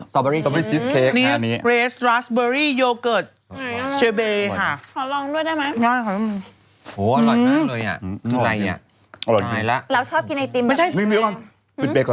สตอบเบอรี่เค้ก